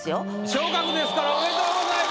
昇格ですからおめでとうございます！